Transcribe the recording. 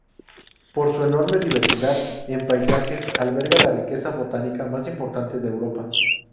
Por su enorme diversidad en paisajes, alberga la riqueza botánica más importante de Europa.